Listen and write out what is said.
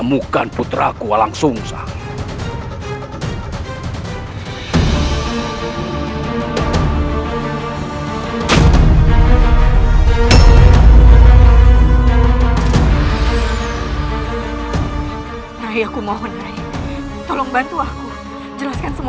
masuklah ke dalam